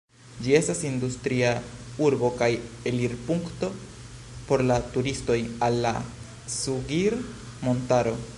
Ĝi estas industria urbo kaj elirpunkto por la turistoj al la Cugir-montaro.